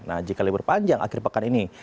nah jika libur panjang akhir pekan ini